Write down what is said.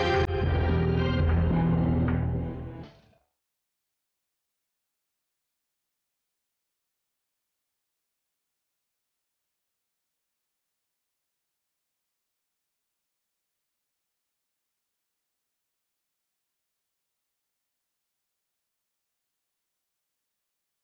saya prawn itu bisa melakukan box office